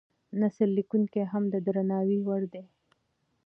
نثر لیکونکي هم د درناوي وړ دي.